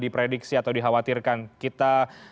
diprediksi atau dikhawatirkan kita